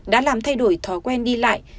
đã làm thay đổi thói quen đi lại